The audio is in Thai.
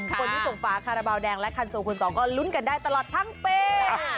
คนที่ส่งฝาคาราบาลแดงและคันโซคุณสองก็ลุ้นกันได้ตลอดทั้งปี